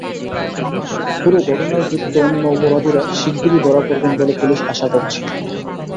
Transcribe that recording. পুরো ঘটনায় যুক্ত অন্য অপরাধীরা শিগগিরই ধরা পড়বেন বলে পুলিশ আশা করছে।